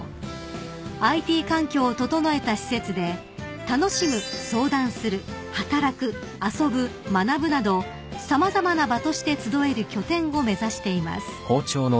［ＩＴ環境を整えた施設で楽しむ相談する働く遊ぶ学ぶなど様々な場として集える拠点を目指しています］